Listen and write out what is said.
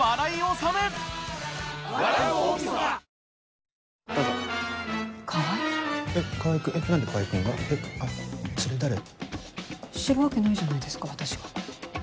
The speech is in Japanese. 知るわけないじゃないですか私が。